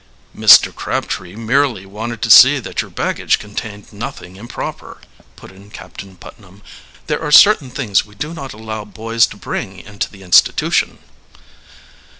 "Mr. Crabtree merely wanted to see that your baggage contained nothing improper," put in Captain Putnam. "There are certain things we do not allow boys to bring into the institution."